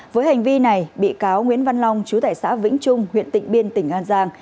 với hành vi này bị cáo nguyễn văn long chú tải xã vĩnh trung huyện tịnh biên tỉnh an giang